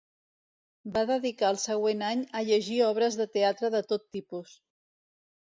Va dedicar el següent any a llegir obres de teatre de tot tipus.